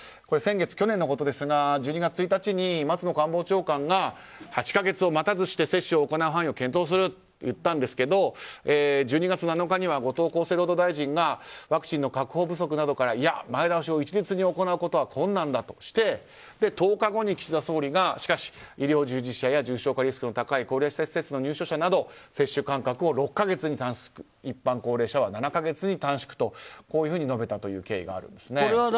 先月、去年のことですが１２月１日に松野官房長官が８か月を待たずして接種を行う範囲を検討すると言ったんですが１２月７日には後藤厚生労大臣がワクチンの確保不足などから前倒しを一律に行うことは困難だとして１０日後に岸田総理がしかし医療従事者や重症化リスクの高い高齢者施設への入所者など接種間隔を６か月に短縮一般高齢者は７か月に短縮と述べたという経緯があるんですね。